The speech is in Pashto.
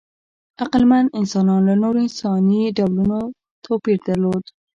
عقلمن انسانان له نورو انساني ډولونو توپیر درلود.